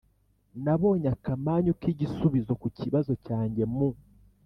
nabonye akamanyu k'igisubizo ku kibazo cyanjye mu